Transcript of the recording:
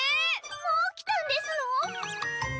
もうきたんですの！？